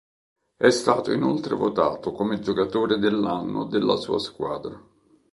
È stato inoltre votato come giocatore dell'anno della sua squadra.